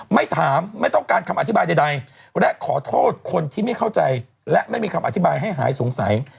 ไม่ถามไม่ต้องการคำอธิบายใดและขอโทษคนที่ไม่เข้าใจและไม่มีคำอธิบายให้หายสงสัย